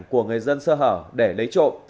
của người dân sơ hở để lấy trộm